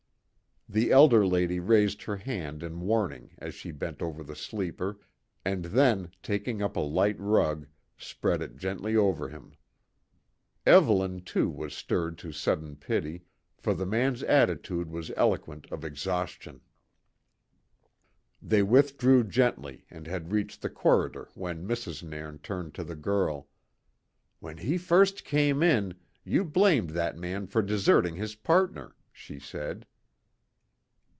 The elder lady raised her hand in warning as she bent over the sleeper, and then, taking up a light rug, spread it gently over him, Evelyn, too, was stirred to sudden pity, for the man's attitude was eloquent of exhaustion. They withdrew gently and had reached the corridor when Mrs. Nairn turned to the girl. "When he first came in, ye blamed that man for deserting his partner," she said.